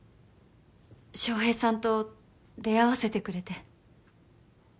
翔平さんと出会わせてくれて。